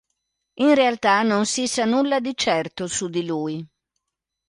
In realtà non si sa nulla di certo su di lui.